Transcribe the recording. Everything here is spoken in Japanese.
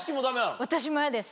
私も嫌です。